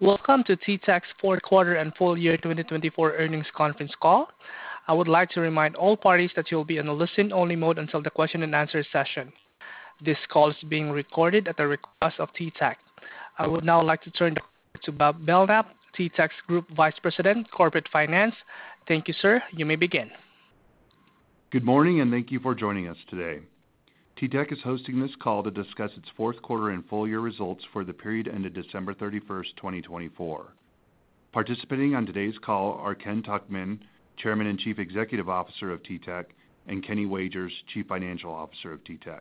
Welcome to TTEC's fourth quarter and full year 2024 earnings conference call. I would like to remind all parties that you'll be in a listen-only mode until the question-and-answer session. This call is being recorded at the request of TTEC. I would now like to turn the floor to Bob Belknapp, TTEC's Group Vice President, Corporate Finance. Thank you, sir. You may begin. Good morning, and thank you for joining us today. TTEC is hosting this call to discuss its fourth quarter and full year results for the period ended December 31, 2024. Participating on today's call are Ken Tuchman, Chairman and Chief Executive Officer of TTEC, and Kenny Wagers, Chief Financial Officer of TTEC.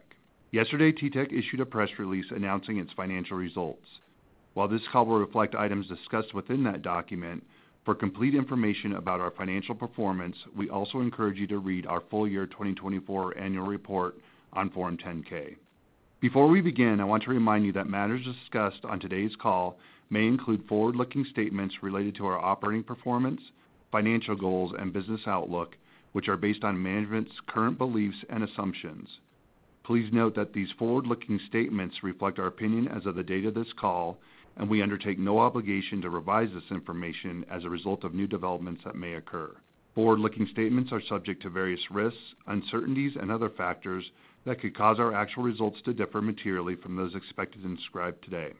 Yesterday, TTEC issued a press release announcing its financial results. While this call will reflect items discussed within that document, for complete information about our financial performance, we also encourage you to read our full year 2024 Annual Report on Form 10-K. Before we begin, I want to remind you that matters discussed on today's call may include forward-looking statements related to our operating performance, financial goals, and business outlook, which are based on management's current beliefs and assumptions. Please note that these forward-looking statements reflect our opinion as of the date of this call, and we undertake no obligation to revise this information as a result of new developments that may occur. Forward-looking statements are subject to various risks, uncertainties, and other factors that could cause our actual results to differ materially from those expected and described today.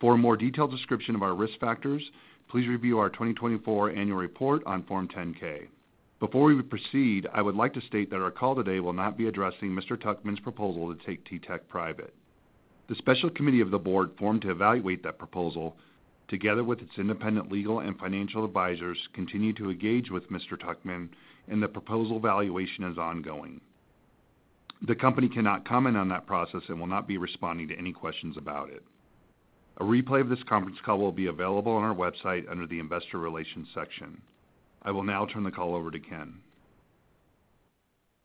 For a more detailed description of our risk factors, please review our 2024 annual report on Form 10-K. Before we proceed, I would like to state that our call today will not be addressing Mr. Tuchman's proposal to take TTEC private. The Special Committee of the Board formed to evaluate that proposal, together with its independent legal and financial advisors, continued to engage with Mr. Tuchman, and the proposal valuation is ongoing. The Company cannot comment on that process and will not be responding to any questions about it. A replay of this conference call will be available on our website under the Investor Relations section. I will now turn the call over to Ken.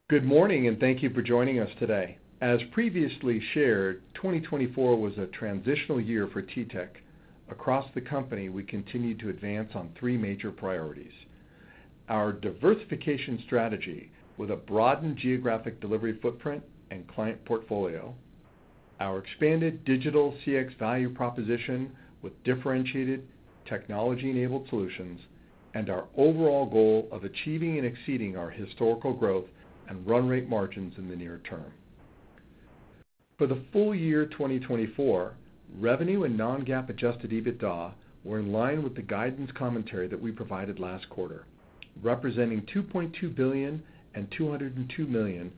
Good morning, and thank you for joining us today. As previously shared, 2024 was a transitional year for TTEC. Across the company, we continued to advance on three major priorities: our diversification strategy with a broadened geographic delivery footprint and client portfolio, our expanded digital CX value proposition with differentiated technology-enabled solutions, and our overall goal of achieving and exceeding our historical growth and run rate margins in the near term. For the full year 2024, revenue and non-GAAP adjusted EBITDA were in line with the guidance commentary that we provided last quarter, representing $2.2 billion and $202 million,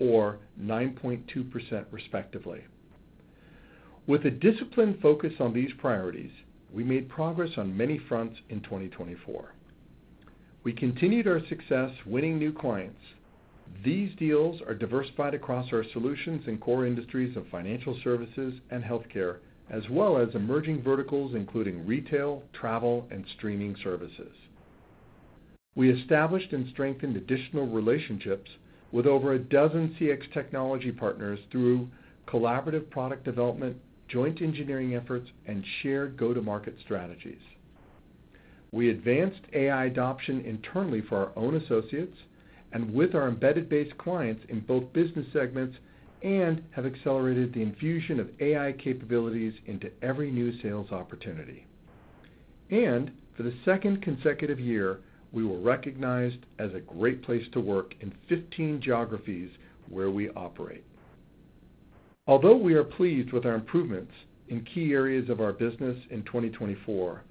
or 9.2% respectively. With a disciplined focus on these priorities, we made progress on many fronts in 2024. We continued our success winning new clients. These deals are diversified across our solutions and core industries of financial services and healthcare, as well as emerging verticals including retail, travel, and streaming services. We established and strengthened additional relationships with over a dozen CX technology partners through collaborative product development, joint engineering efforts, and shared go-to-market strategies. We advanced AI adoption internally for our own associates and with our embedded based clients in both business segments and have accelerated the infusion of AI capabilities into every new sales opportunity. For the second consecutive year, we were recognized as a great place to work in 15 geographies where we operate. Although we are pleased with our improvements in key areas of our business in 2024,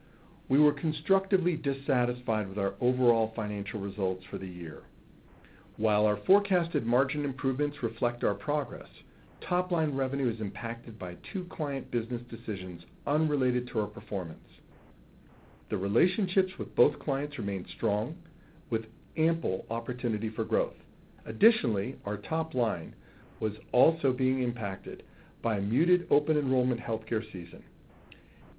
we were constructively dissatisfied with our overall financial results for the year. While our forecasted margin improvements reflect our progress, top-line revenue is impacted by two client business decisions unrelated to our performance. The relationships with both clients remained strong, with ample opportunity for growth. Additionally, our top line was also being impacted by a muted open enrollment healthcare season,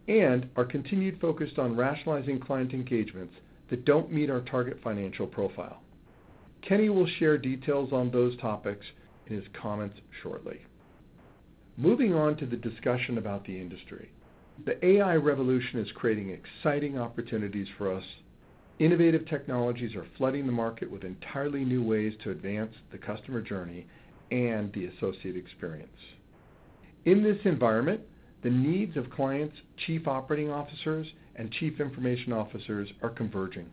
and our continued focus on rationalizing client engagements that do not meet our target financial profile. Kenny will share details on those topics in his comments shortly. Moving on to the discussion about the industry. The AI revolution is creating exciting opportunities for us. Innovative technologies are flooding the market with entirely new ways to advance the customer journey and the associate experience. In this environment, the needs of clients, Chief Operating Officers, and Chief Information Officers are converging.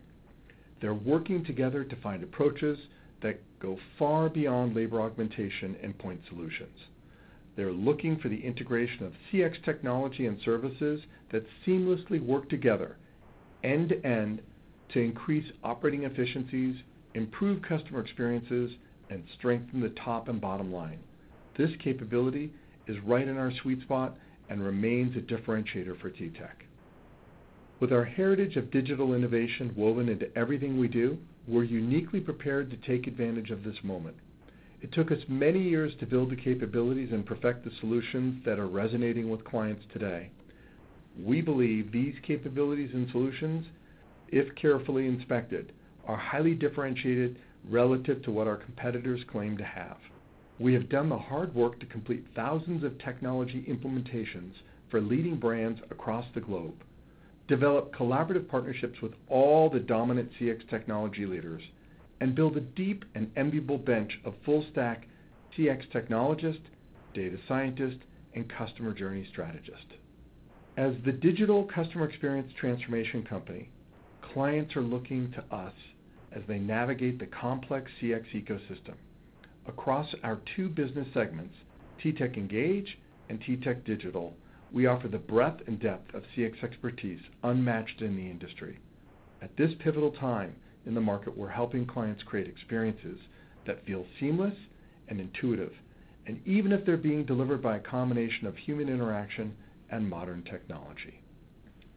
They are working together to find approaches that go far beyond labor augmentation and point solutions. They are looking for the integration of CX technology and services that seamlessly work together end-to-end to increase operating efficiencies, improve customer experiences, and strengthen the top and bottom line. This capability is right in our sweet spot and remains a differentiator for TTEC. With our heritage of digital innovation woven into everything we do, we're uniquely prepared to take advantage of this moment. It took us many years to build the capabilities and perfect the solutions that are resonating with clients today. We believe these capabilities and solutions, if carefully inspected, are highly differentiated relative to what our competitors claim to have. We have done the hard work to complete thousands of technology implementations for leading brands across the globe, develop collaborative partnerships with all the dominant CX technology leaders, and build a deep and enviable bench of full-stack CX technologists, data scientists, and customer journey strategists. As the digital customer experience transformation company, clients are looking to us as they navigate the complex CX ecosystem. Across our two business segments, TTEC Engage and TTEC Digital, we offer the breadth and depth of CX expertise unmatched in the industry. At this pivotal time in the market, we're helping clients create experiences that feel seamless and intuitive, even if they're being delivered by a combination of human interaction and modern technology.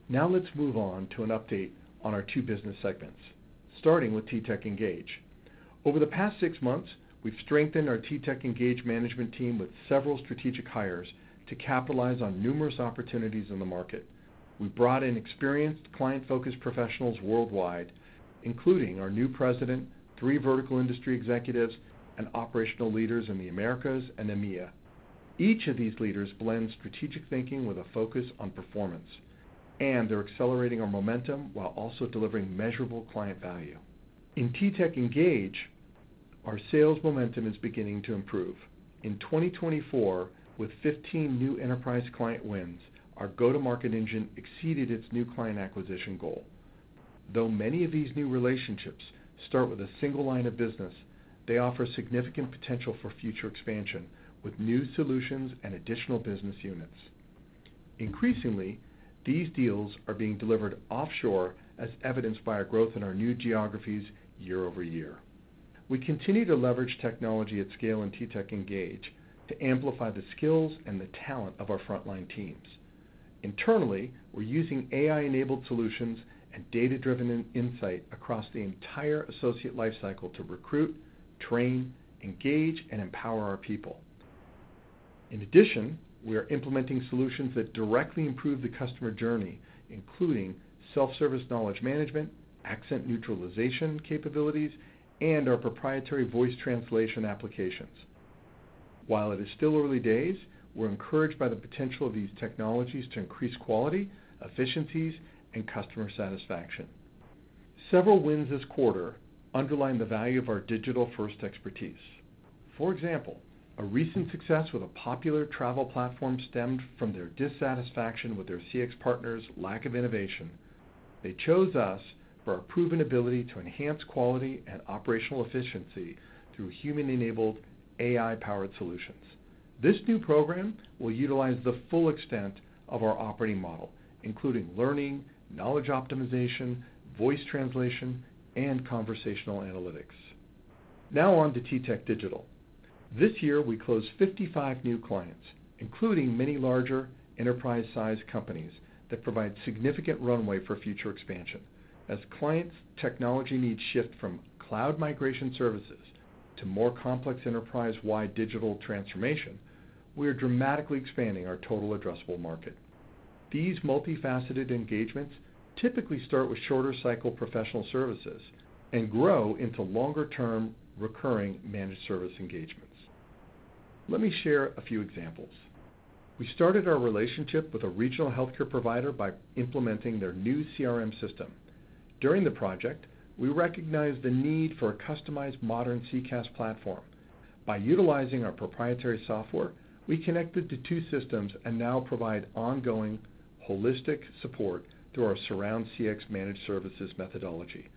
Now let's move on to an update on our two business segments, starting with TTEC Engage. Over the past six months, we've strengthened our TTEC Engage management team with several strategic hires to capitalize on numerous opportunities in the market. We brought in experienced client-focused professionals worldwide, including our new President, three vertical industry executives, and operational leaders in the Americas and EMEA. Each of these leaders blends strategic thinking with a focus on performance, and they're accelerating our momentum while also delivering measurable client value. In TTEC Engage, our sales momentum is beginning to improve. In 2024, with 15 new enterprise client wins, our go-to-market engine exceeded its new client acquisition goal. Though many of these new relationships start with a single line of business, they offer significant potential for future expansion with new solutions and additional business units. Increasingly, these deals are being delivered offshore, as evidenced by our growth in our new geographies year over year. We continue to leverage technology at scale in TTEC Engage to amplify the skills and the talent of our frontline teams. Internally, we're using AI-enabled solutions and data-driven insight across the entire associate lifecycle to recruit, train, engage, and empower our people. In addition, we are implementing solutions that directly improve the customer journey, including self-service knowledge management, accent neutralization capabilities, and our proprietary voice translation applications. While it is still early days, we're encouraged by the potential of these technologies to increase quality, efficiencies, and customer satisfaction. Several wins this quarter underline the value of our digital-first expertise. For example, a recent success with a popular travel platform stemmed from their dissatisfaction with their CX partner's lack of innovation. They chose us for our proven ability to enhance quality and operational efficiency through human-enabled AI-powered solutions. This new program will utilize the full extent of our operating model, including learning, knowledge optimization, voice translation, and conversational analytics. Now on to TTEC Digital. This year, we closed 55 new clients, including many larger enterprise-sized companies that provide significant runway for future expansion. As clients' technology needs shift from cloud migration services to more complex enterprise-wide digital transformation, we are dramatically expanding our total addressable market. These multifaceted engagements typically start with shorter-cycle professional services and grow into longer-term recurring managed service engagements. Let me share a few examples. We started our relationship with a regional healthcare provider by implementing their new CRM system. During the project, we recognized the need for a customized modern CCaaS platform. By utilizing our proprietary software, we connected to two systems and now provide ongoing holistic support through our Surround CX managed services methodology.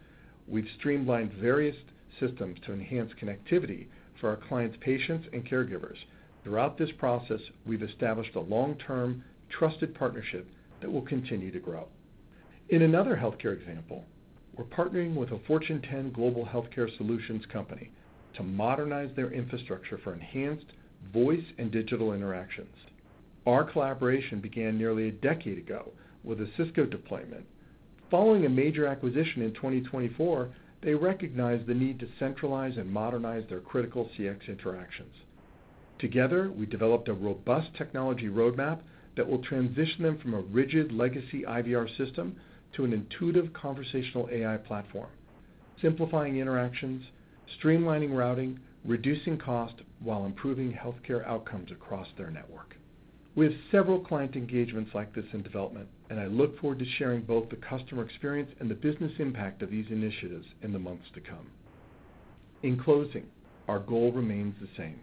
We've streamlined various systems to enhance connectivity for our clients' patients and caregivers. Throughout this process, we've established a long-term trusted partnership that will continue to grow. In another healthcare example, we're partnering with a Fortune 10 global healthcare solutions company to modernize their infrastructure for enhanced voice and digital interactions. Our collaboration began nearly a decade ago with a Cisco deployment. Following a major acquisition in 2024, they recognized the need to centralize and modernize their critical CX interactions. Together, we developed a robust technology roadmap that will transition them from a rigid legacy IVR system to an intuitive conversational AI platform, simplifying interactions, streamlining routing, reducing cost, while improving healthcare outcomes across their network. We have several client engagements like this in development, and I look forward to sharing both the customer experience and the business impact of these initiatives in the months to come. In closing, our goal remains the same: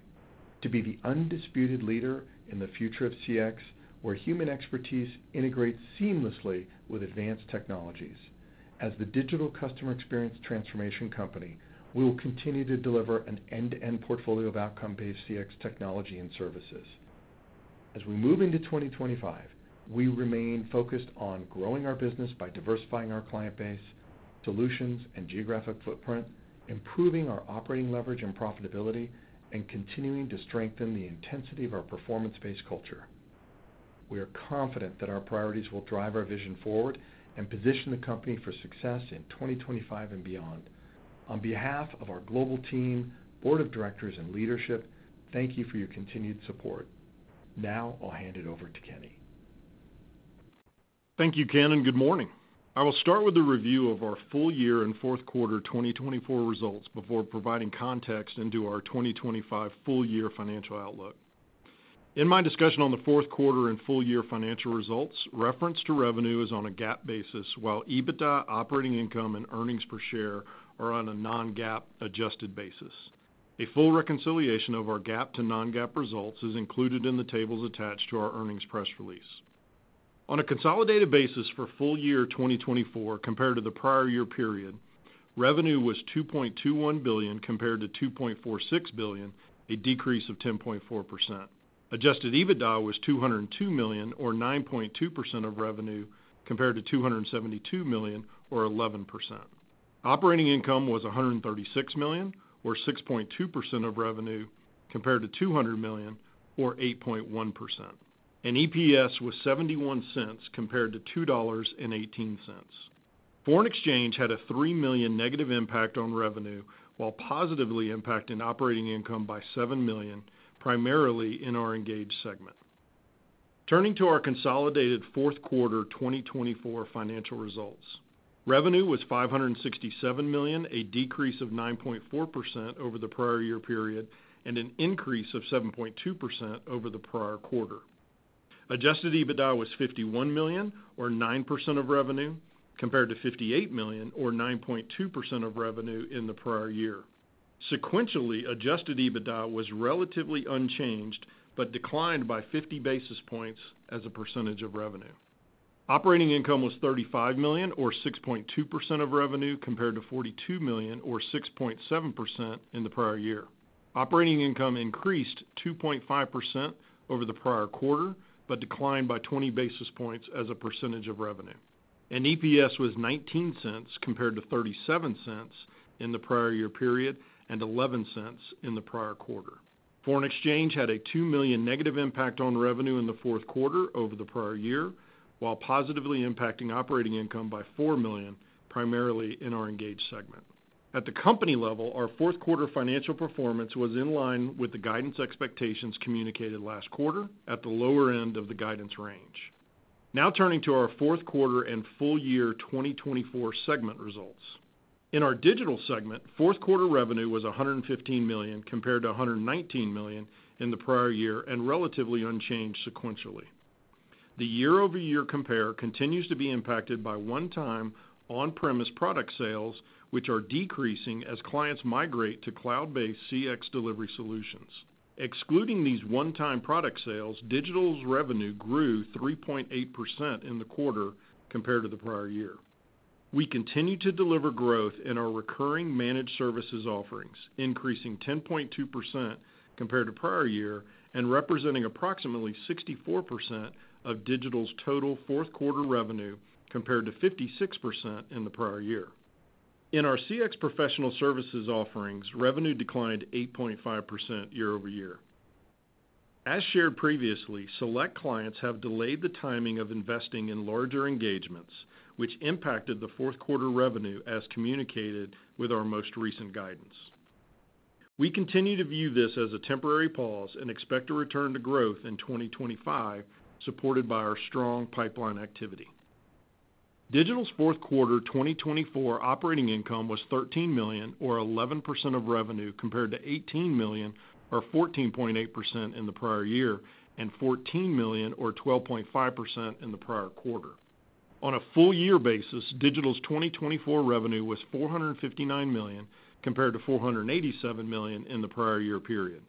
to be the undisputed leader in the future of CX, where human expertise integrates seamlessly with advanced technologies. As the digital customer experience transformation company, we will continue to deliver an end-to-end portfolio of outcome-based CX technology and services. As we move into 2025, we remain focused on growing our business by diversifying our client base, solutions and geographic footprint, improving our operating leverage and profitability, and continuing to strengthen the intensity of our performance-based culture. We are confident that our priorities will drive our vision forward and position the company for success in 2025 and beyond. On behalf of our global team, board of directors, and leadership, thank you for your continued support. Now I'll hand it over to Kenny. Thank you, Ken, and good morning. I will start with a review of our full year and fourth quarter 2024 results before providing context into our 2025 full year financial outlook. In my discussion on the fourth quarter and full year financial results, reference to revenue is on a GAAP basis, while EBITDA, operating income, and earnings per share are on a non-GAAP adjusted basis. A full reconciliation of our GAAP to non-GAAP results is included in the tables attached to our earnings press release. On a consolidated basis for full year 2024 compared to the prior year period, revenue was $2.21 billion compared to $2.46 billion, a decrease of 10.4%. Adjusted EBITDA was $202 million, or 9.2% of revenue, compared to $272 million, or 11%. Operating income was $136 million, or 6.2% of revenue, compared to $200 million, or 8.1%. EPS was $0.71 compared to $2.18. Foreign exchange had a $3 million negative impact on revenue, while positively impacting operating income by $7 million, primarily in our Engage segment. Turning to our consolidated fourth quarter 2024 financial results, revenue was $567 million, a decrease of 9.4% over the prior year period, and an increase of 7.2% over the prior quarter. Adjusted EBITDA was $51 million, or 9% of revenue, compared to $58 million, or 9.2% of revenue in the prior year. Sequentially, adjusted EBITDA was relatively unchanged but declined by 50 basis points as a percentage of revenue. Operating income was $35 million, or 6.2% of revenue, compared to $42 million, or 6.7% in the prior year. Operating income increased 2.5% over the prior quarter but declined by 20 basis points as a percentage of revenue. EPS was $0.19 compared to $0.37 in the prior year period and $0.11 in the prior quarter. Foreign exchange had a $2 million negative impact on revenue in the fourth quarter over the prior year, while positively impacting operating income by $4 million, primarily in our Engage segment. At the company level, our fourth quarter financial performance was in line with the guidance expectations communicated last quarter at the lower end of the guidance range. Now turning to our fourth quarter and full year 2024 segment results. In our Digital segment, fourth quarter revenue was $115 million, compared to $119 million in the prior year, and relatively unchanged sequentially. The year-over-year compare continues to be impacted by one-time on-premise product sales, which are decreasing as clients migrate to cloud-based CX delivery solutions. Excluding these one-time product sales, Digital revenue grew 3.8% in the quarter compared to the prior year. We continue to deliver growth in our recurring managed services offerings, increasing 10.2% compared to prior year and representing approximately 64% of Digital's total fourth quarter revenue, compared to 56% in the prior year. In our CX professional services offerings, revenue declined 8.5% year-over-year. As shared previously, select clients have delayed the timing of investing in larger engagements, which impacted the fourth quarter revenue as communicated with our most recent guidance. We continue to view this as a temporary pause and expect a return to growth in 2025, supported by our strong pipeline activity. Digital's fourth quarter 2024 operating income was $13 million, or 11% of revenue, compared to $18 million, or 14.8% in the prior year, and $14 million, or 12.5% in the prior quarter. On a full year basis, Digital's 2024 revenue was $459 million, compared to $487 million in the prior year period.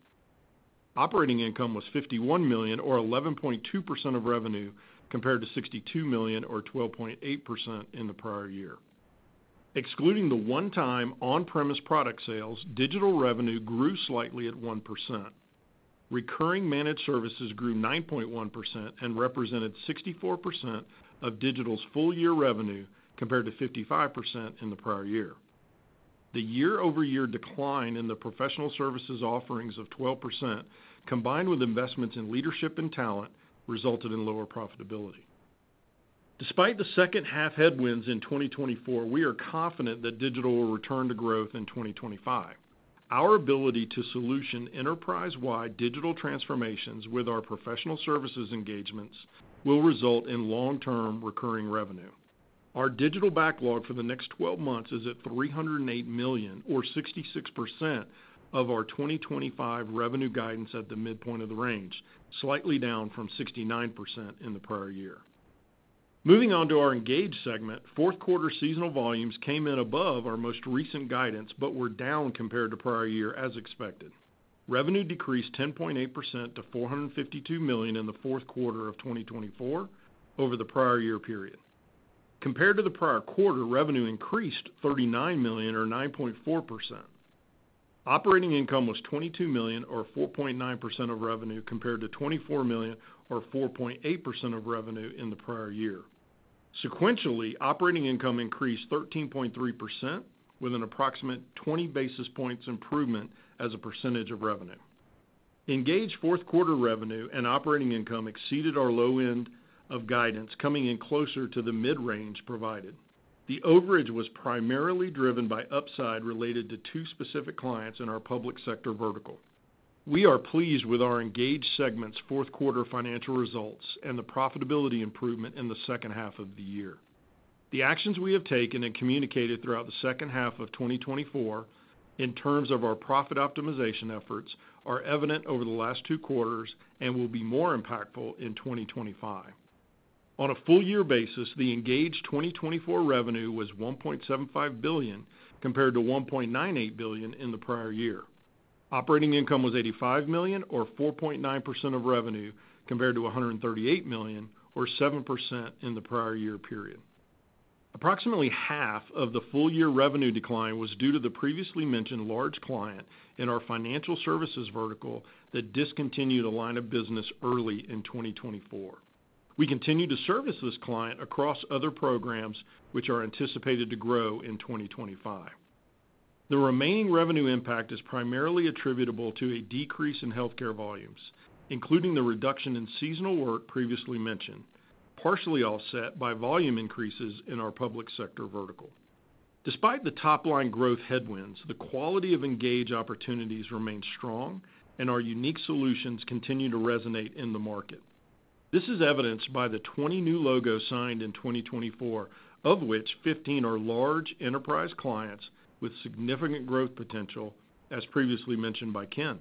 Operating income was $51 million, or 11.2% of revenue, compared to $62 million, or 12.8% in the prior year. Excluding the one-time on-premise product sales, Digital revenue grew slightly at 1%. Recurring managed services grew 9.1% and represented 64% of Digital's full year revenue, compared to 55% in the prior year. The year-over-year decline in the professional services offerings of 12%, combined with investments in leadership and talent, resulted in lower profitability. Despite the second half headwinds in 2024, we are confident that Digital will return to growth in 2025. Our ability to solution enterprise-wide digital transformations with our professional services engagements will result in long-term recurring revenue. Our Digital backlog for the next 12 months is at $308 million, or 66% of our 2025 revenue guidance at the midpoint of the range, slightly down from 69% in the prior year. Moving on to our Engage segment, fourth quarter seasonal volumes came in above our most recent guidance but were down compared to prior year, as expected. Revenue decreased 10.8% to $452 million in the fourth quarter of 2024 over the prior year period. Compared to the prior quarter, revenue increased $39 million, or 9.4%. Operating income was $22 million, or 4.9% of revenue, compared to $24 million, or 4.8% of revenue in the prior year. Sequentially, operating income increased 13.3% with an approximate 20 basis points improvement as a percentage of revenue. Engage fourth quarter revenue and operating income exceeded our low end of guidance, coming in closer to the mid-range provided. The overage was primarily driven by upside related to two specific clients in our public sector vertical. We are pleased with our Engage segment's fourth quarter financial results and the profitability improvement in the second half of the year. The actions we have taken and communicated throughout the second half of 2024 in terms of our profit optimization efforts are evident over the last two quarters and will be more impactful in 2025. On a full year basis, the Engage 2024 revenue was $1.75 billion, compared to $1.98 billion in the prior year. Operating income was $85 million, or 4.9% of revenue, compared to $138 million, or 7% in the prior year period. Approximately half of the full year revenue decline was due to the previously mentioned large client in our financial services vertical that discontinued a line of business early in 2024. We continue to service this client across other programs, which are anticipated to grow in 2025. The remaining revenue impact is primarily attributable to a decrease in healthcare volumes, including the reduction in seasonal work previously mentioned, partially offset by volume increases in our public sector vertical. Despite the top-line growth headwinds, the quality of Engage opportunities remains strong, and our unique solutions continue to resonate in the market. This is evidenced by the 20 new logos signed in 2024, of which 15 are large enterprise clients with significant growth potential, as previously mentioned by Ken.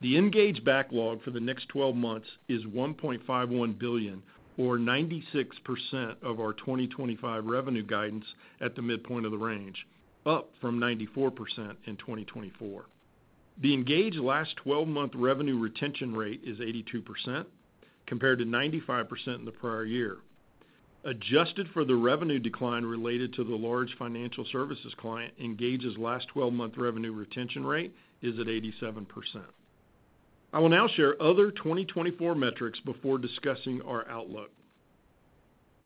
The Engage backlog for the next 12 months is $1.51 billion, or 96% of our 2025 revenue guidance at the midpoint of the range, up from 94% in 2024. The Engage last 12-month revenue retention rate is 82%, compared to 95% in the prior year. Adjusted for the revenue decline related to the large financial services client, Engage last 12-month revenue retention rate is at 87%. I will now share other 2024 metrics before discussing our outlook.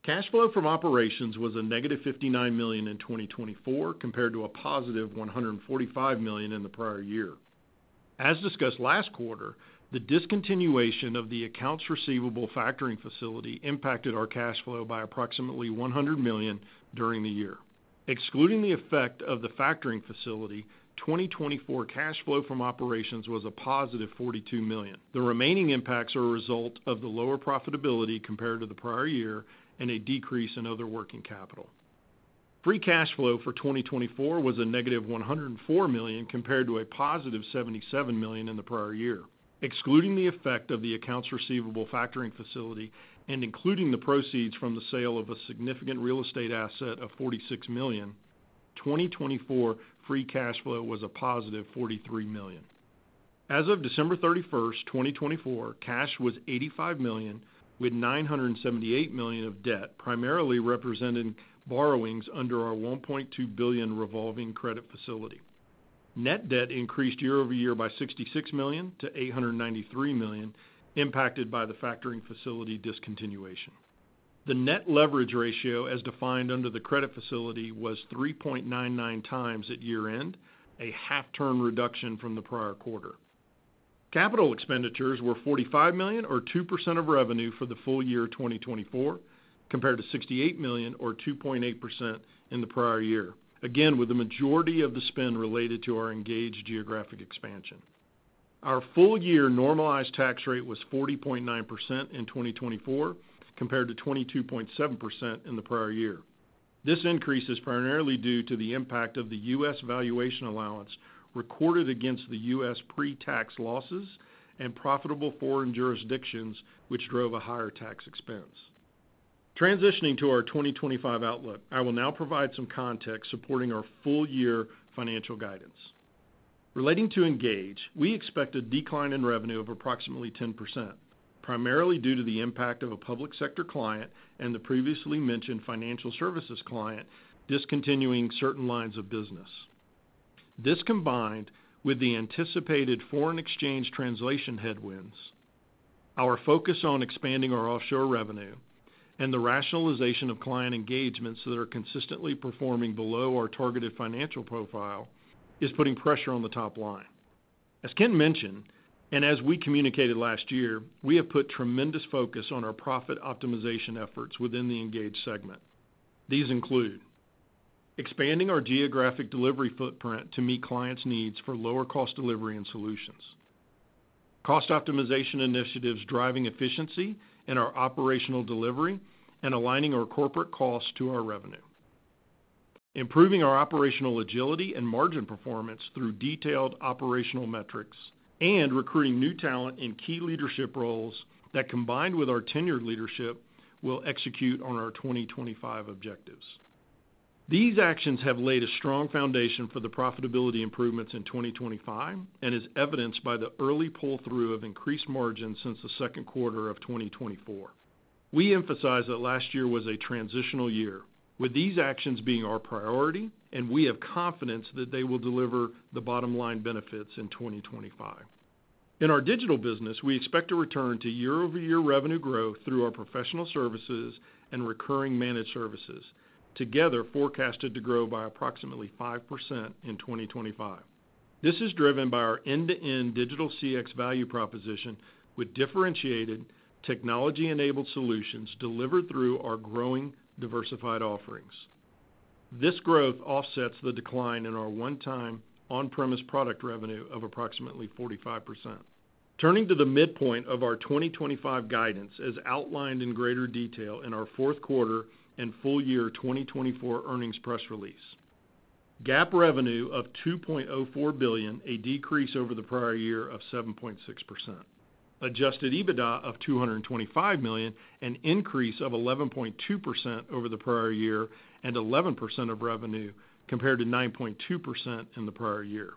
Cash flow from operations was a negative $59 million in 2024, compared to a positive $145 million in the prior year. As discussed last quarter, the discontinuation of the accounts receivable factoring facility impacted our cash flow by approximately $100 million during the year. Excluding the effect of the factoring facility, 2024 cash flow from operations was a positive $42 million. The remaining impacts are a result of the lower profitability compared to the prior year and a decrease in other working capital. Free cash flow for 2024 was a negative $104 million, compared to a positive $77 million in the prior year. Excluding the effect of the accounts receivable factoring facility and including the proceeds from the sale of a significant real estate asset of $46 million, 2024 free cash flow was a positive $43 million. As of December 31, 2024, cash was $85 million, with $978 million of debt primarily representing borrowings under our $1.2 billion revolving credit facility. Net debt increased year-over-year by $66 million to $893 million, impacted by the factoring facility discontinuation. The net leverage ratio, as defined under the credit facility, was 3.99 times at year-end, a half-turn reduction from the prior quarter. Capital expenditures were $45 million, or 2% of revenue for the full year 2024, compared to $68 million, or 2.8% in the prior year, again with the majority of the spend related to our Engage geographic expansion. Our full year normalized tax rate was 40.9% in 2024, compared to 22.7% in the prior year. This increase is primarily due to the impact of the U.S. valuation allowance recorded against the U.S. pre-tax losses and profitable foreign jurisdictions, which drove a higher tax expense. Transitioning to our 2025 outlook, I will now provide some context supporting our full year financial guidance. Relating to Engage, we expect a decline in revenue of approximately 10%, primarily due to the impact of a public sector client and the previously mentioned financial services client discontinuing certain lines of business. This, combined with the anticipated foreign exchange translation headwinds, our focus on expanding our offshore revenue, and the rationalization of client engagements that are consistently performing below our targeted financial profile, is putting pressure on the top line. As Ken mentioned, and as we communicated last year, we have put tremendous focus on our profit optimization efforts within the Engage segment. These include expanding our geographic delivery footprint to meet clients' needs for lower-cost delivery and solutions, cost optimization initiatives driving efficiency in our operational delivery, and aligning our corporate costs to our revenue, improving our operational agility and margin performance through detailed operational metrics, and recruiting new talent in key leadership roles that, combined with our tenured leadership, will execute on our 2025 objectives. These actions have laid a strong foundation for the profitability improvements in 2025 and is evidenced by the early pull-through of increased margins since the second quarter of 2024. We emphasize that last year was a transitional year, with these actions being our priority, and we have confidence that they will deliver the bottom-line benefits in 2025. In our Digital business, we expect a return to year-over-year revenue growth through our professional services and recurring managed services, together forecasted to grow by approximately 5% in 2025. This is driven by our end-to-end digital CX value proposition with differentiated technology-enabled solutions delivered through our growing diversified offerings. This growth offsets the decline in our one-time on-premise product revenue of approximately 45%. Turning to the midpoint of our 2025 guidance, as outlined in greater detail in our fourth quarter and full year 2024 earnings press release, GAAP revenue of $2.04 billion, a decrease over the prior year of 7.6%, adjusted EBITDA of $225 million, an increase of 11.2% over the prior year, and 11% of revenue, compared to 9.2% in the prior year.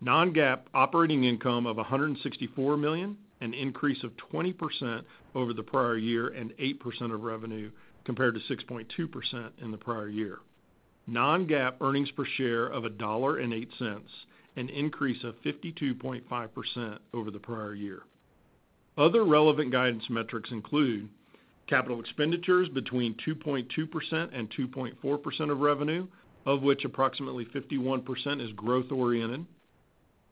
Non-GAAP operating income of $164 million, an increase of 20% over the prior year, and 8% of revenue, compared to 6.2% in the prior year. Non-GAAP earnings per share of $1.08, an increase of 52.5% over the prior year. Other relevant guidance metrics include capital expenditures between 2.2% and 2.4% of revenue, of which approximately 51% is growth-oriented,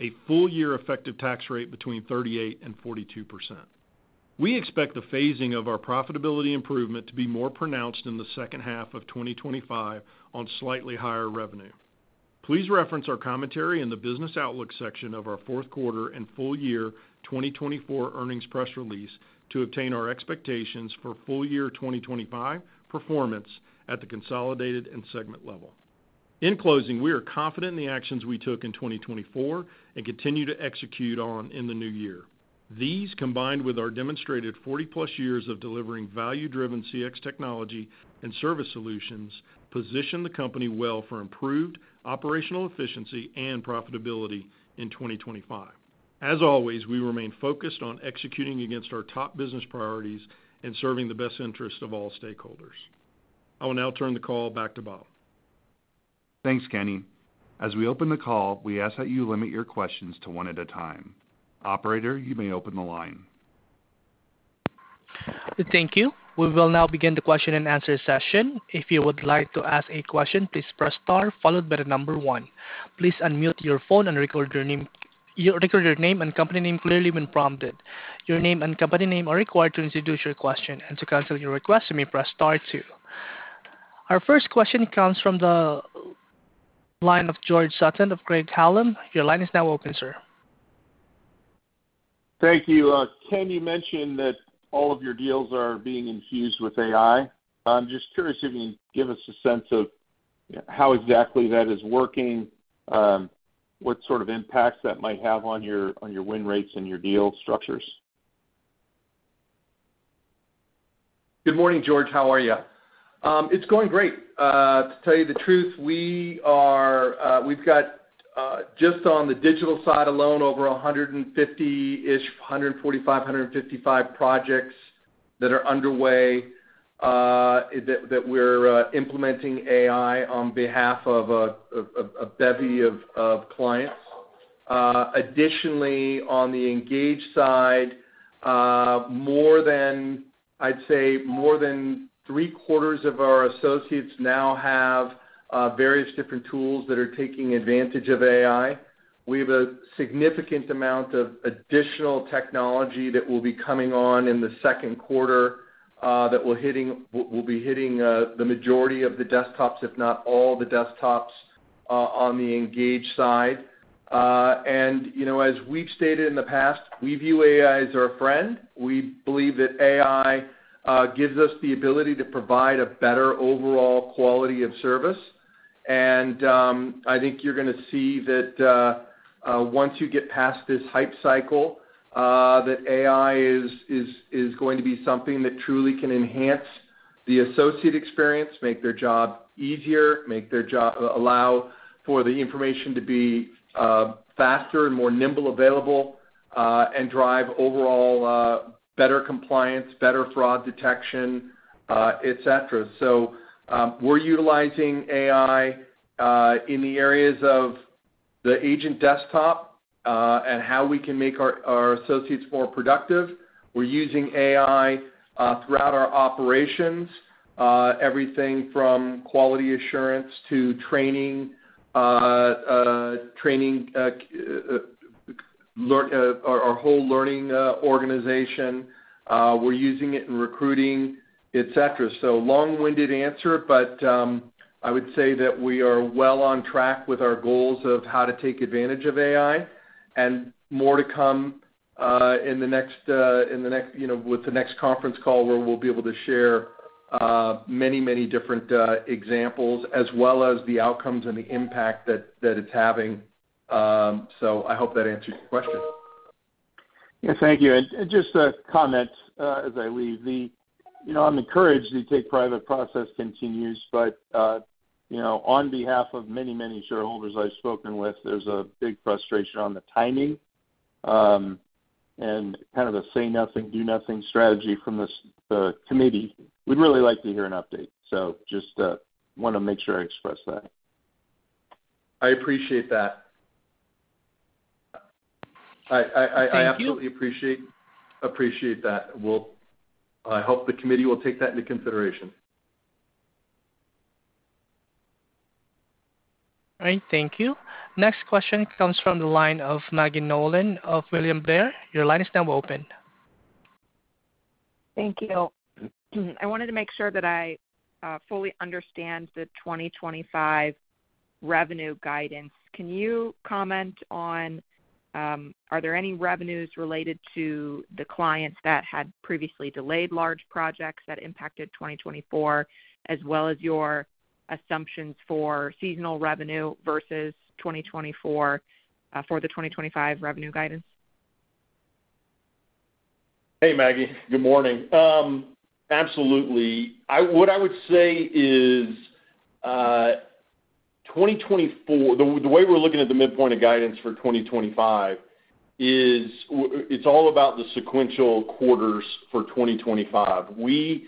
a full year effective tax rate between 38% and 42%. We expect the phasing of our profitability improvement to be more pronounced in the second half of 2025 on slightly higher revenue. Please reference our commentary in the business outlook section of our fourth quarter and full year 2024 earnings press release to obtain our expectations for full year 2025 performance at the consolidated and segment level. In closing, we are confident in the actions we took in 2024 and continue to execute on in the new year. These, combined with our demonstrated 40-plus years of delivering value-driven CX technology and service solutions, position the company well for improved operational efficiency and profitability in 2025. As always, we remain focused on executing against our top business priorities and serving the best interests of all stakeholders. I will now turn the call back to Bob. Thanks, Kenny. As we open the call, we ask that you limit your questions to one at a time. Operator, you may open the line. Thank you. We will now begin the question and answer session. If you would like to ask a question, please press star, followed by the number one. Please unmute your phone and record your name and company name clearly when prompted. Your name and company name are required to institute your question, and to cancel your request, you may press star two. Our first question comes from the line of George Sutton of Craig-Hallum. Your line is now open, sir. Thank you. Can you mention that all of your deals are being infused with AI? I'm just curious if you can give us a sense of how exactly that is working, what sort of impacts that might have on your win rates and your deal structures. Good morning, George. How are you? It's going great. To tell you the truth, we've got just on the digital side alone over 150, 145, 155 projects that are underway that we're implementing AI on behalf of a bevy of clients. Additionally, on the engaged side, I'd say more than three-quarters of our associates now have various different tools that are taking advantage of AI. We have a significant amount of additional technology that will be coming on in the second quarter that will be hitting the majority of the desktops, if not all the desktops on the engaged side. As we've stated in the past, we view AI as our friend. We believe that AI gives us the ability to provide a better overall quality of service. I think you're going to see that once you get past this hype cycle, that AI is going to be something that truly can enhance the associate experience, make their job easier, allow for the information to be faster and more nimble available, and drive overall better compliance, better fraud detection, etc. We are utilizing AI in the areas of the agent desktop and how we can make our associates more productive. We are using AI throughout our operations, everything from quality assurance to training, our whole learning organization. We are using it in recruiting, etc. Long-winded answer, but I would say that we are well on track with our goals of how to take advantage of AI and more to come with the next conference call where we'll be able to share many, many different examples as well as the outcomes and the impact that it's having. I hope that answers your question. Yeah, thank you. Just a comment as I leave. I'm encouraged to take pride that the process continues, but on behalf of many, many shareholders I've spoken with, there's a big frustration on the timing and kind of a say nothing, do nothing strategy from the committee. We'd really like to hear an update. Just want to make sure I express that. I appreciate that. I absolutely appreciate that. I hope the committee will take that into consideration. All right. Thank you. Next question comes from the line of Maggie Nolan of William Blair. Your line is now open. Thank you. I wanted to make sure that I fully understand the 2025 revenue guidance. Can you comment on are there any revenues related to the clients that had previously delayed large projects that impacted 2024, as well as your assumptions for seasonal revenue versus 2024 for the 2025 revenue guidance? Hey, Maggie. Good morning. Absolutely. What I would say is the way we're looking at the midpoint of guidance for 2025 is it's all about the sequential quarters for 2025. We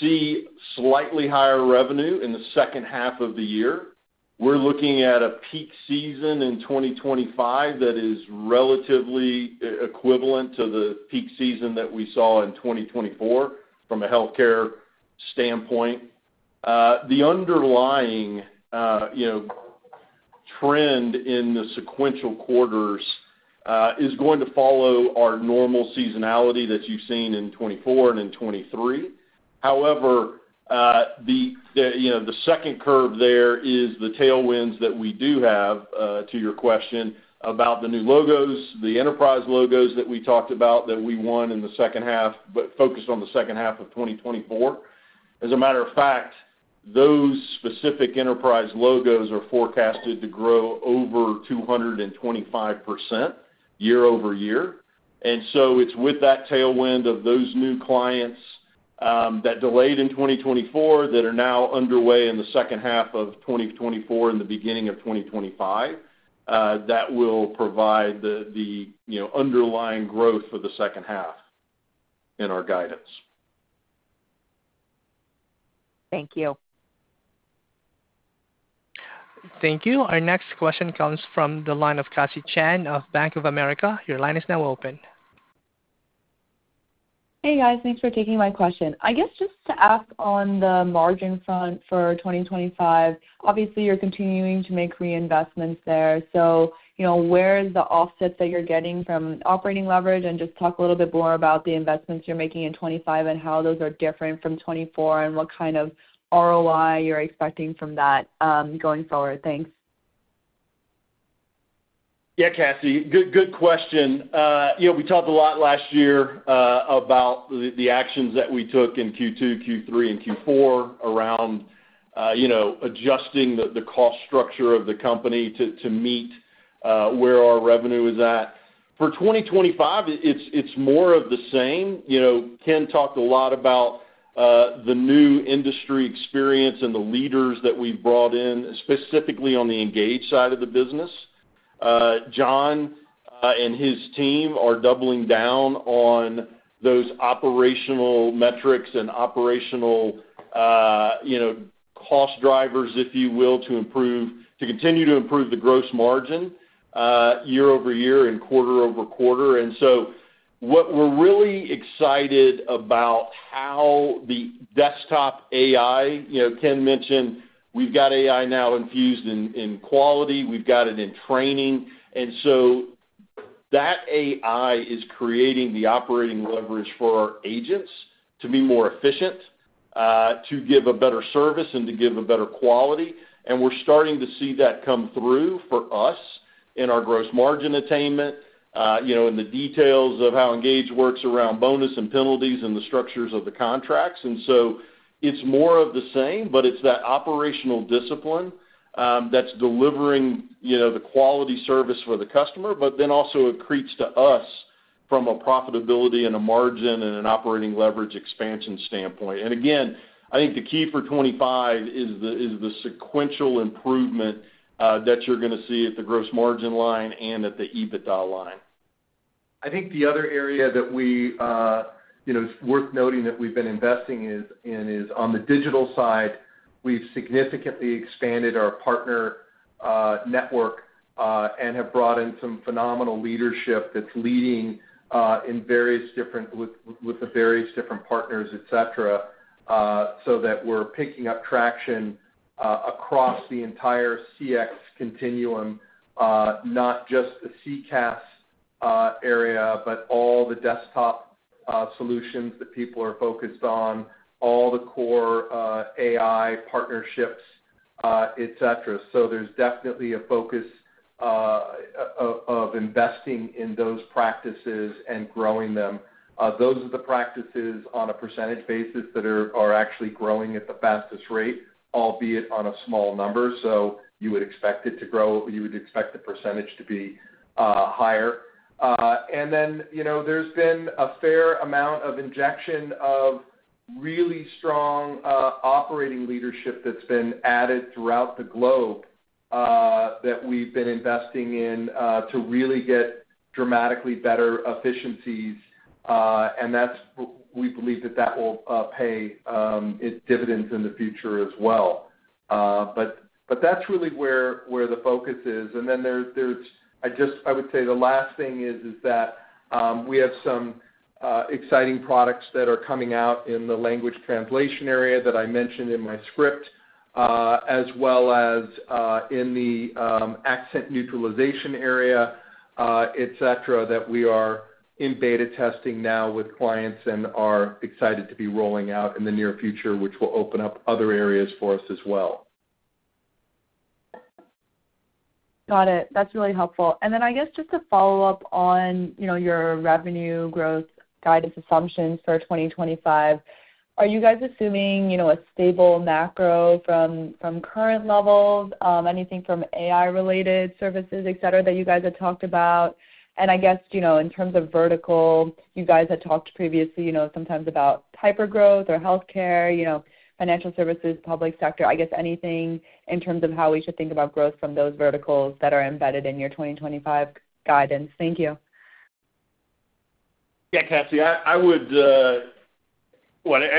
see slightly higher revenue in the second half of the year. We're looking at a peak season in 2025 that is relatively equivalent to the peak season that we saw in 2024 from a healthcare standpoint. The underlying trend in the sequential quarters is going to follow our normal seasonality that you've seen in 2024 and in 2023. However, the second curve there is the tailwinds that we do have to your question about the new logos, the enterprise logos that we talked about that we won in the second half, but focused on the second half of 2024. As a matter of fact, those specific enterprise logos are forecasted to grow over 225% year-over-year. It is with that tailwind of those new clients that delayed in 2024 that are now underway in the second half of 2024 and the beginning of 2025 that will provide the underlying growth for the second half in our guidance. Thank you. Thank you. Our next question comes from the line of Josie Chen of Bank of America. Your line is now open. Hey, guys. Thanks for taking my question. I guess just to ask on the margin front for 2025, obviously, you're continuing to make reinvestments there. Where is the offset that you're getting from operating leverage? Just talk a little bit more about the investments you're making in 2025 and how those are different from 2024 and what kind of ROI you're expecting from that going forward. Thanks. Yeah, Josie. Good question. We talked a lot last year about the actions that we took in Q2, Q3, and Q4 around adjusting the cost structure of the company to meet where our revenue is at. For 2025, it's more of the same. Ken talked a lot about the new industry experience and the leaders that we've brought in, specifically on the Engage side of the business. John and his team are doubling down on those operational metrics and operational cost drivers, if you will, to continue to improve the gross margin year-over-year and quarter-over-quarter. What we're really excited about is how the desktop AI, Ken mentioned, we've got AI now infused in quality. We've got it in training. That AI is creating the operating leverage for our agents to be more efficient, to give a better service, and to give a better quality. We're starting to see that come through for us in our gross margin attainment, in the details of how Engage works around bonus and penalties and the structures of the contracts. It is more of the same, but it is that operational discipline that is delivering the quality service for the customer, but then also it creeps to us from a profitability and a margin and an operating leverage expansion standpoint. Again, I think the key for 2025 is the sequential improvement that you are going to see at the gross margin line and at the EBITDA line. I think the other area that it is worth noting that we have been investing in is on the digital side. We have significantly expanded our partner network and have brought in some phenomenal leadership that is leading with the various different partners, etc., so that we are picking up traction across the entire CX continuum, not just the CCaaS area, but all the desktop solutions that people are focused on, all the core AI partnerships, etc. There is definitely a focus of investing in those practices and growing them. Those are the practices on a percentage basis that are actually growing at the fastest rate, albeit on a small number. You would expect it to grow; you would expect the percentage to be higher. There has been a fair amount of injection of really strong operating leadership that has been added throughout the globe that we have been investing in to really get dramatically better efficiencies. We believe that will pay dividends in the future as well. That is really where the focus is. I would say the last thing is that we have some exciting products that are coming out in the language translation area that I mentioned in my script, as well as in the accent neutralization area, etc., that we are in beta testing now with clients and are excited to be rolling out in the near future, which will open up other areas for us as well. Got it. That's really helpful. I guess just to follow up on your revenue growth guidance assumptions for 2025, are you guys assuming a stable macro from current levels, anything from AI-related services, etc., that you guys had talked about? I guess in terms of vertical, you guys had talked previously sometimes about hypergrowth or healthcare, financial services, public sector. I guess anything in terms of how we should think about growth from those verticals that are embedded in your 2025 guidance. Thank you. Yeah, Josie.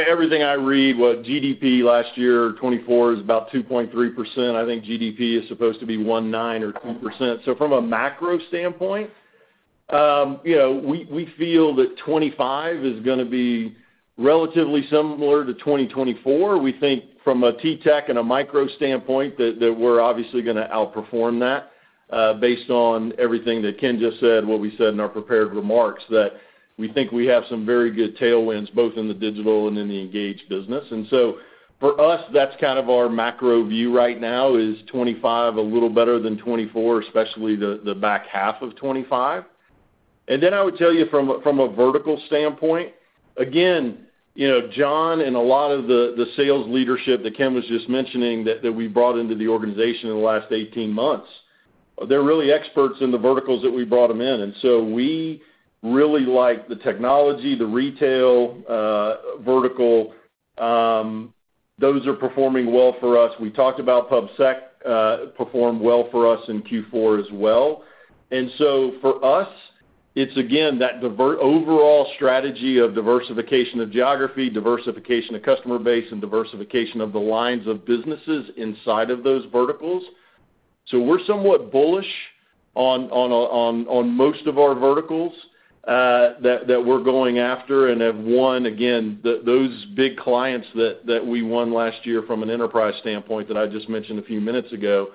Everything I read, well, GDP last year, 2024, is about 2.3%. I think GDP is supposed to be 1.9 or 2%. From a macro standpoint, we feel that 2025 is going to be relatively similar to 2024. We think from a TTEC and a micro standpoint that we're obviously going to outperform that based on everything that Ken just said, what we said in our prepared remarks, that we think we have some very good tailwinds both in the digital and in the engaged business. For us, that's kind of our macro view right now is 2025 a little better than 2024, especially the back half of 2025. I would tell you from a vertical standpoint, again, John and a lot of the sales leadership that Ken was just mentioning that we brought into the organization in the last 18 months, they're really experts in the verticals that we brought them in. We really like the technology, the retail vertical. Those are performing well for us. We talked about PubSec performed well for us in Q4 as well. For us, it's, again, that overall strategy of diversification of geography, diversification of customer base, and diversification of the lines of businesses inside of those verticals. We're somewhat bullish on most of our verticals that we're going after and have won. Again, those big clients that we won last year from an enterprise standpoint that I just mentioned a few minutes ago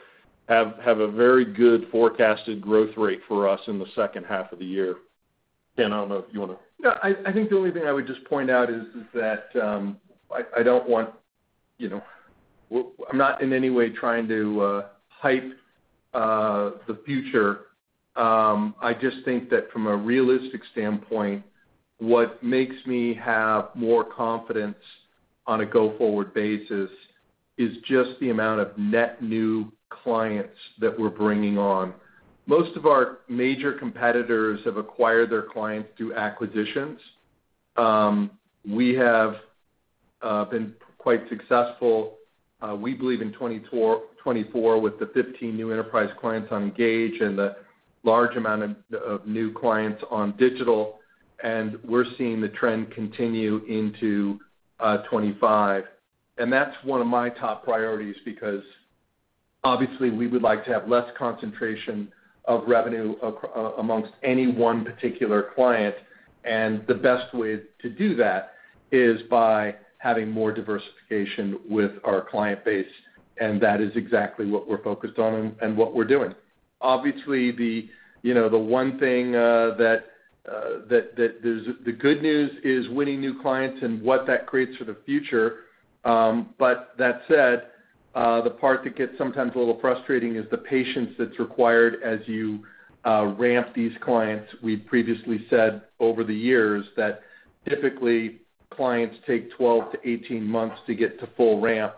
have a very good forecasted growth rate for us in the second half of the year. I think the only thing I would just point out is that I am not in any way trying to hype the future. I just think that from a realistic standpoint, what makes me have more confidence on a go-forward basis is just the amount of net new clients that we're bringing on. Most of our major competitors have acquired their clients through acquisitions. We have been quite successful, we believe, in 2024 with the 15 new enterprise clients on Engage and the large amount of new clients on Digital. We are seeing the trend continue into 2025. That is one of my top priorities because, obviously, we would like to have less concentration of revenue amongst any one particular client. The best way to do that is by having more diversification with our client base. That is exactly what we are focused on and what we are doing. Obviously, the good news is winning new clients and what that creates for the future. That said, the part that gets sometimes a little frustrating is the patience that is required as you ramp these clients. We have previously said over the years that typically clients take 12-18 months to get to full ramp.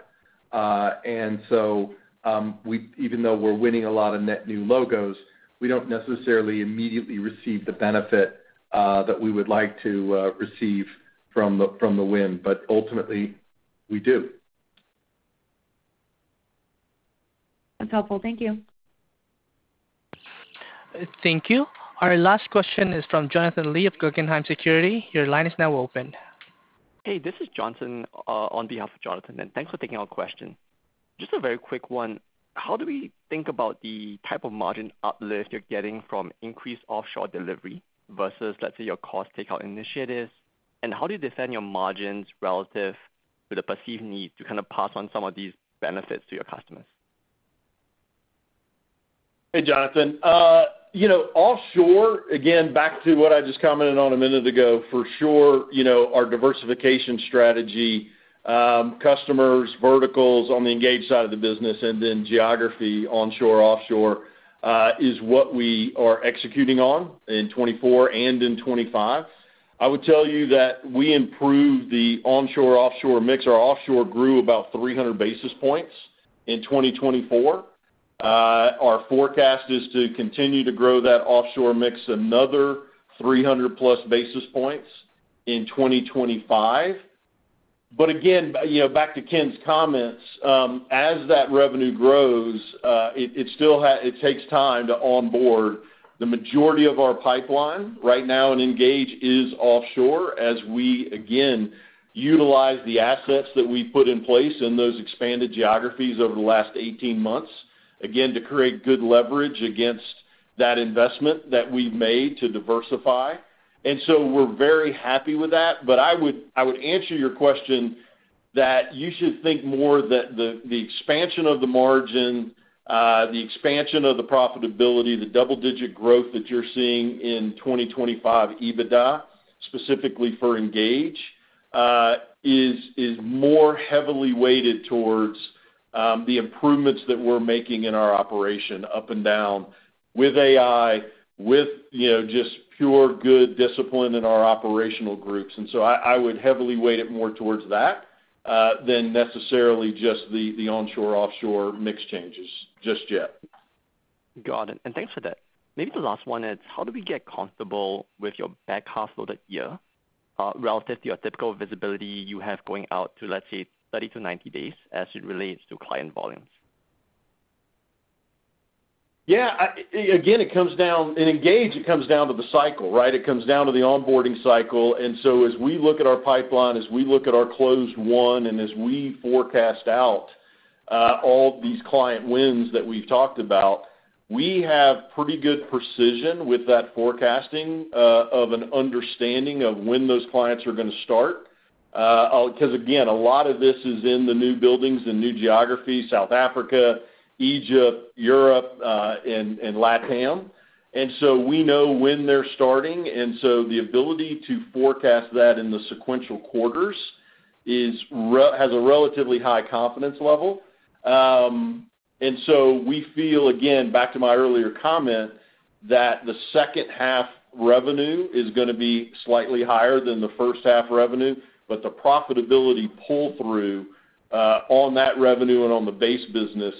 Even though we're winning a lot of net new logos, we don't necessarily immediately receive the benefit that we would like to receive from the win. Ultimately, we do. That's helpful. Thank you. Thank you. Our last question is from Jonathan Lee of Guggenheim Partners. Your line is now open. Hey, this is Johnson behalf of Jonathan. Thanks for taking our question. Just a very quick one. How do we think about the type of margin uplift you're getting from increased offshore delivery versus, let's say, your cost takeout initiatives? How do you defend your margins relative to the perceived need to kind of pass on some of these benefits to your customers? Hey, Jonathan. Offshore, again, back to what I just commented on a minute ago, for sure, our diversification strategy, customers, verticals on the Engage side of the business, and then geography, onshore, offshore, is what we are executing on in 2024 and in 2025. I would tell you that we improved the onshore, offshore mix. Our offshore grew about 300 basis points in 2024. Our forecast is to continue to grow that offshore mix another 300-plus basis points in 2025. Again, back to Ken's comments, as that revenue grows, it takes time to onboard. The majority of our pipeline right now in Engage is offshore as we, again, utilize the assets that we've put in place in those expanded geographies over the last 18 months, again, to create good leverage against that investment that we've made to diversify. We are very happy with that. I would answer your question that you should think more that the expansion of the margin, the expansion of the profitability, the double-digit growth that you're seeing in 2025 EBITDA, specifically for Engage, is more heavily weighted towards the improvements that we're making in our operation up and down with AI, with just pure good discipline in our operational groups. I would heavily weight it more towards that than necessarily just the onshore, offshore mix changes just yet. Got it. Thanks for that. Maybe the last one is, how do we get comfortable with your back half of the year relative to your typical visibility you have going out to, let's say, 30 to 90 days as it relates to client volumes? Yeah. Again, it comes down in Engage, it comes down to the cycle, right? It comes down to the onboarding cycle. As we look at our pipeline, as we look at our closed one, and as we forecast out all these client wins that we've talked about, we have pretty good precision with that forecasting of an understanding of when those clients are going to start. Again, a lot of this is in the new buildings and new geographies, South Africa, Egypt, Europe, and LATAM. We know when they're starting. The ability to forecast that in the sequential quarters has a relatively high confidence level. We feel, again, back to my earlier comment, that the second half revenue is going to be slightly higher than the first half revenue. The profitability pull-through on that revenue and on the base business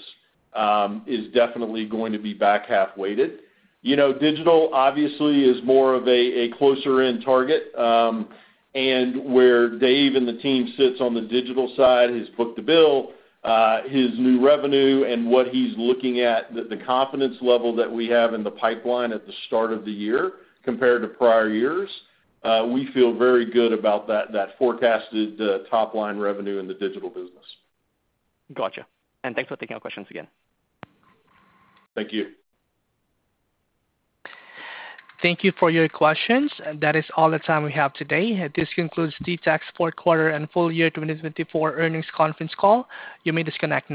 is definitely going to be back half-weighted. Digital, obviously, is more of a closer-end target. Where Dave and the team sits on the digital side has book-to-bill, his new revenue, and what he's looking at, the confidence level that we have in the pipeline at the start of the year compared to prior years, we feel very good about that forecasted top-line revenue in the digital business. Gotcha. And thanks for taking our questions again. Thank you. Thank you for your questions. That is all the time we have today. This concludes TTEC's fourth quarter and full-year 2024 earnings conference call. You may disconnect.